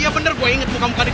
berhenti kak lo